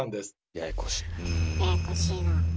ややこしい。